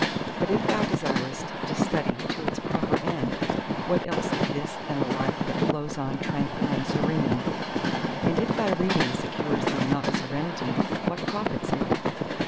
But if thou desirest to study to its proper end, what else is this than a life that flows on tranquil and serene? And if thy reading secures thee not serenity, what profits it?